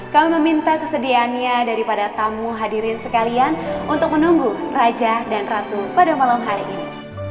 kami meminta kesediaannya daripada tamu hadirin sekalian untuk menunggu raja dan ratu pada malam hari ini